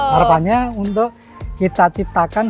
harapannya untuk kita ciptakan